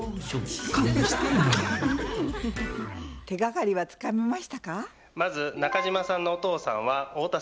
手がかりはつかめましたか？